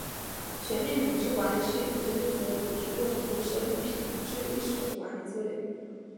全面品质管理是一种针对所有组织过程中深入品质意识的管理策略。